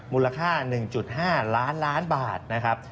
มูลค่า๑๕ล้านล้านบาทนะครับ